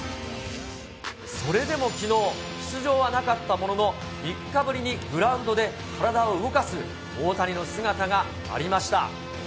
それでもきのう、出場はなかったものの、３日ぶりにグラウンドで体を動かす大谷の姿がありました。